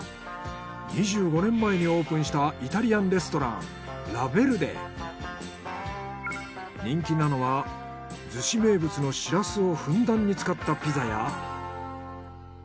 ２５年前にオープンしたイタリアンレストラン人気なのは逗子名物のしらすをふんだんに使ったピザや。